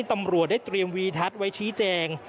ตำรวจได้เตรียมวีทัศน์ไว้ชี้แจง